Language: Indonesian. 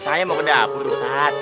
saya mau ke dapur tuhan